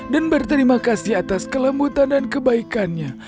dan berterima kasih atas kelembutan dan kebaikannya